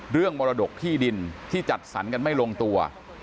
มรดกที่ดินที่จัดสรรกันไม่ลงตัว